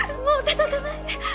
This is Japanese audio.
もうたたかないで。